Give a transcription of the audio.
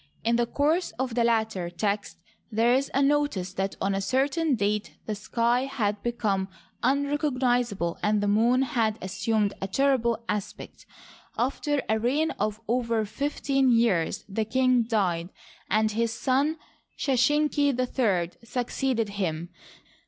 In the course of the latter text there is a notice that on a certain date the sky had become unrecognizable and the moon had assumed a terrible aspect. After a reign of over fifteen years the king died, and his son Sheshenq III succeeded him.